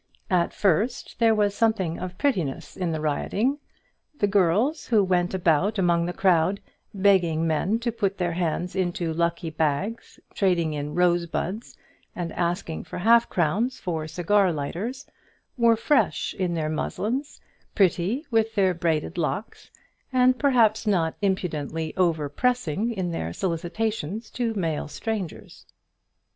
At first there was something of prettiness in the rioting. The girls, who went about among the crowd, begging men to put their hands into lucky bags, trading in rose buds, and asking for half crowns for cigar lighters, were fresh in their muslins, pretty with their braided locks, and perhaps not impudently over pressing in their solicitations to male strangers.